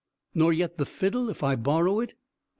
"Nor yet the fiddle, if I borrow it?"